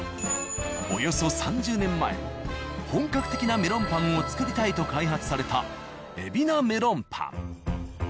およそ３０年前本格的なメロンパンを作りたいと開発された海老名メロンパン。